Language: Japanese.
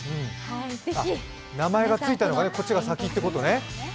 あっ、名前がついたのがこっちが先ってことね。